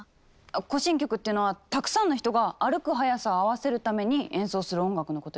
行進曲っていうのはたくさんの人が歩く速さを合わせるために演奏する音楽のことよ。